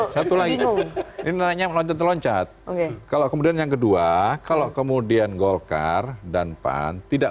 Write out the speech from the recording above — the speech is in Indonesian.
satu lagi ini nanya loncat loncat kalau kemudian yang kedua kalau kemudian golkar dan pan tidak